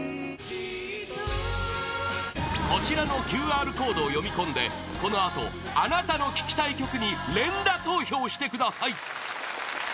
こちらのＱＲコードを読み込んでこのあと、あなたの聴きたい曲に連打投票してください！